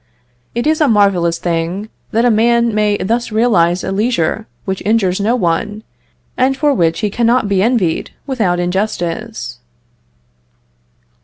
It is a marvellous thing, that a man may thus realize a leisure which injures no one, and for which he cannot be envied without injustice."